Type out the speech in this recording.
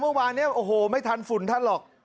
เมื่อวานนี้ไม่ทันฝุนท่านหรอก